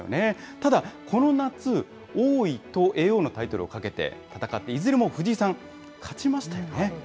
ただこの夏、王位と叡王のタイトルをかけて戦って、いずれも藤井さん、勝ちましたよね。